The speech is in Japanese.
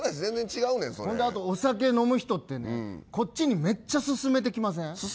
ほんで、お酒飲む人ってこっちにめっちゃ進めてきません。